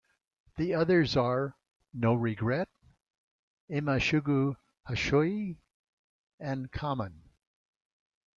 The others are "No Regret," "Ima Sugu Hoshii," and "Kamen".